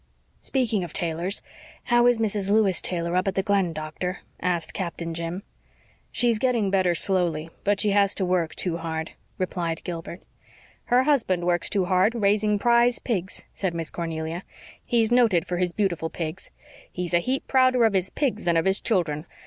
"Speaking of Taylors, how is Mrs. Lewis Taylor up at the Glen, doctor?" asked Captain Jim. "She's getting better slowly but she has to work too hard," replied Gilbert. "Her husband works hard too raising prize pigs," said Miss Cornelia. "He's noted for his beautiful pigs. He's a heap prouder of his pigs than of his children.